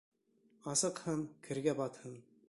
Асыҡһын, кергә батһын.